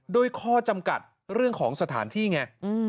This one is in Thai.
ด้วยข้อจำกัดเรื่องของสถานที่ไง